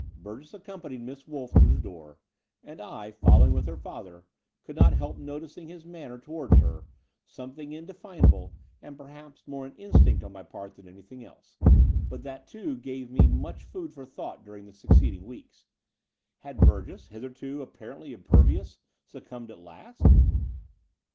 Burgess accompanied Miss Wolff to the door^ and I, following with her father, could not help noticing his manner towards her, something inde finable and, perhaps, more an instinct on my part than anything else: but that, too, gave me much food for thought during the succeeding weeks. Had Burgess, hitherto apparently impervious, sue cimibed at last